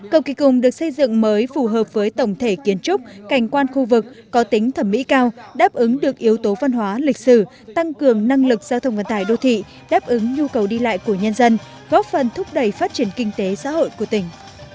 cầu kỳ cùng được xây dựng mới phù hợp với tổng thể kiến trúc cảnh quan khu vực có tính thẩm mỹ cao đáp ứng được yếu tố văn hóa lịch sử tăng cường năng lực giao thông vận tải đô thị đáp ứng nhu cầu đi lại của nhân dân góp phần thúc đẩy phát triển kinh tế xã hội của tỉnh